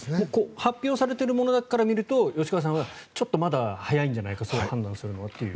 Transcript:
発表されているものから見ると吉川さんはちょっとまだ早いんじゃないかその判断をするのはという。